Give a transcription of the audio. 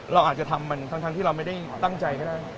เราอาจจะทำมันทั้งที่เราไม่ได้ตั้งใจก็ได้